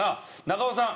中尾さん